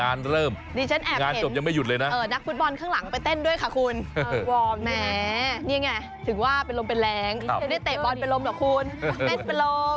ไม่ได้เตะบอลเป็นลมหรอกคุณเตะเป็นลม